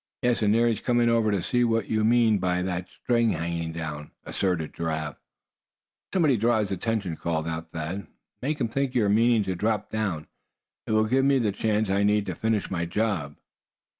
"Yes, and there he's coming over to see what you mean by that string hanging down," asserted Giraffe. "Somebody draw his attention!" called out Thad. "Make him think you're meaning to drop down. It will give me the chance I need to finish my job."